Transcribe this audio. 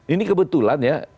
ini kebetulan ya